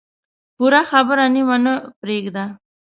پوره خبره نیمه نه پرېږده.